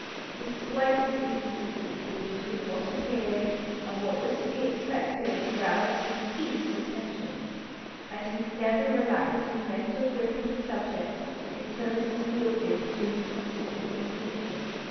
The slightest inconsistency between what appeared and what was to be expected roused his keenest attention; and he never relaxed his mental grip of a subject until it had yielded to his persistent inquisition.